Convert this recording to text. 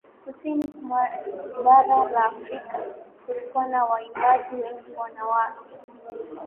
kusini mwa bara la afrika kulikuwa na waimbaji wengi wanawake